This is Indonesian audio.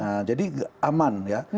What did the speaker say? nah jadi aman ya